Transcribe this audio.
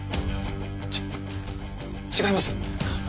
ち違います。